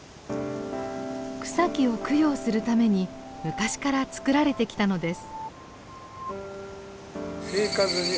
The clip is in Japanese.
草木を供養するために昔から作られてきたのです。